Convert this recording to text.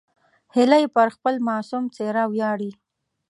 هیلۍ پر خپل معصوم څېره ویاړي